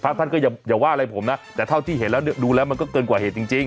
ท่านก็อย่าว่าอะไรผมนะแต่เท่าที่เห็นแล้วดูแล้วมันก็เกินกว่าเหตุจริง